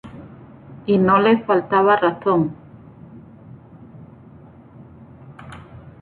Y no le faltaba razón.